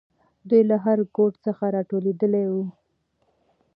دوی له هر ګوټ څخه راټولېدلې وو.